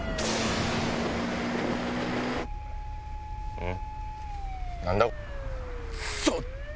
うん？